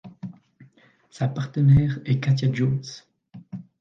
Sa partenaire est Katya Jones.